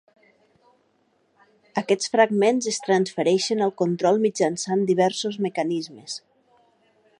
Aquests fragments es transfereixen el control mitjançant diversos mecanismes.